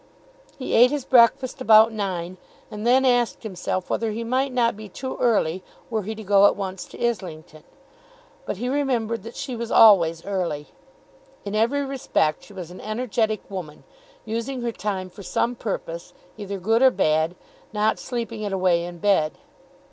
He ate his breakfast about nine, and then asked himself whether he might not be too early were he to go at once to Islington. But he remembered that she was always early. In every respect she was an energetic woman, using her time for some purpose, either good or bad, not sleeping it away in bed.